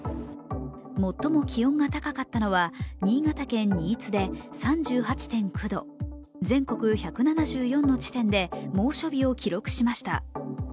最も気温が高かったのは新潟県・新津で３８．９度、全国１７４の地点で猛暑日を記録しました。